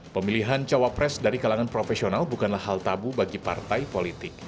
pemilihan cawapres dari kalangan profesional bukanlah hal tabu bagi partai politik